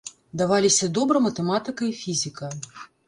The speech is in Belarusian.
Даваліся добра матэматыка і фізіка.